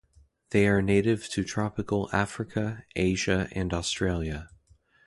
They are native to tropical Africa, Asia and Australia.